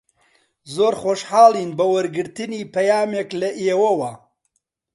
زۆر خۆشحاڵین بە وەرگرتنی پەیامێک لە ئێوەوە.